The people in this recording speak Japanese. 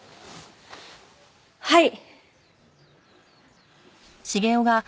はい。